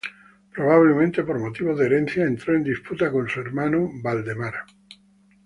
Probablemente por motivos de herencia entró en disputa con su hermano Valdemar.